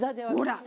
ほら！